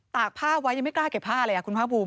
กผ้าไว้ยังไม่กล้าเก็บผ้าเลยคุณภาคภูมิ